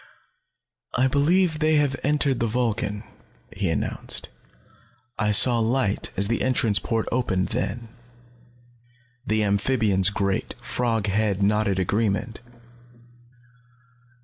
"I believe they have entered the Vulcan," he announced. "I saw light as the entrance port opened then." The amphibian's great, frog head nodded agreement.